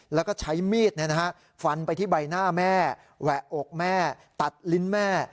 แล้วก็ใช้มีดฟันไปที่ใบหน้าแม่แหวะอกแม่ตัดลิ้นแม่